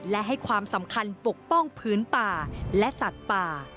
และให้ความสำคัญปกป้องพื้นป่าและสัตว์ป่า